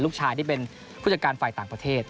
ลูกชายที่เป็นผู้จัดการฝ่ายต่างประเทศ